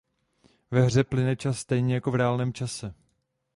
Ve hře plyne čas stejně jako v reálném světě.